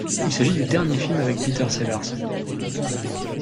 Il s'agit du dernier film avec Peter Sellers.